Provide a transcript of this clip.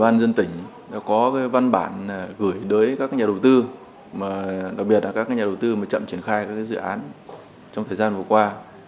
ban dân tỉnh đã có văn bản gửi tới các nhà đầu tư đặc biệt là các nhà đầu tư mà chậm triển khai các dự án trong thời gian vừa qua